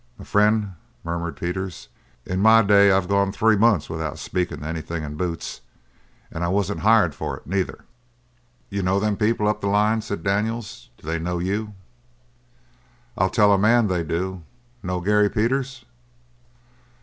"M'frien'," murmured Peters. "In my day I've gone three months without speakin' to anything in boots; and I wasn't hired for it, neither." "You know them people up the line," said Daniels. "Do they know you?" "I'll tell a man they do! Know Gary Peters?"